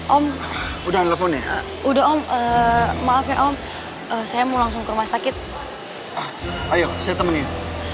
om udah nelfon ya udah om maafnya om saya mau langsung ke rumah sakit ayo saya temenin